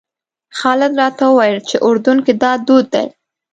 خالد راته وویل اردن کې دا دود دی.